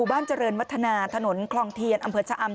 บ้านเจริญวัฒนาถนนคลองเทียนอำเภอชะอำ